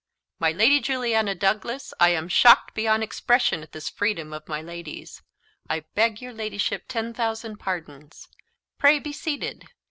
"My Lady Juliana Douglas, I am shocked beyond expression at this freedom of my lady's. I beg your ladyship ten thousand pardons; pray be seated.